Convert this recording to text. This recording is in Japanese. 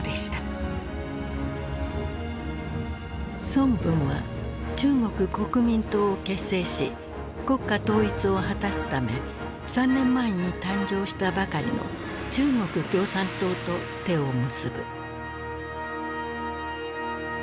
孫文は中国国民党を結成し国家統一を果たすため３年前に誕生したばかりの中国共産党と手を結ぶ。